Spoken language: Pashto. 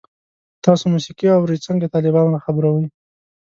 تاسو موسیقی اورئ؟ څنګه، طالبان را خبروئ